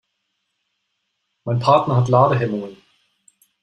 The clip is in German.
Mein Partner hat Ladehemmungen.